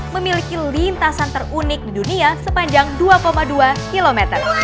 memiliki lintasan terunik di dunia sepanjang dua dua km